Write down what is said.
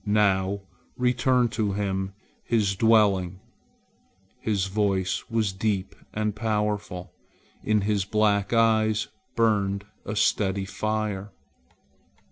Now return to him his dwelling." His voice was deep and powerful. In his black eyes burned a steady fire.